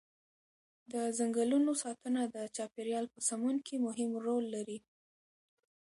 د ځنګلونو ساتنه د چاپیریال په سمون کې مهم رول لري.